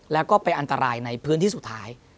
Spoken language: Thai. แล้วก็เป็นอันตรายในพื้นที่สุดท้าย